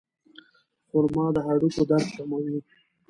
خرما د هډوکو درد کموي.